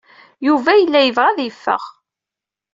Yuba yella yebɣa ad yeffeɣ.